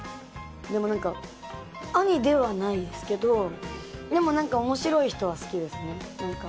でも何か、兄ではないですけどでも、面白い人は好きですね。